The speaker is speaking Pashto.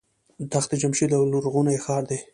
تخت جمشید یو لرغونی ښار دی.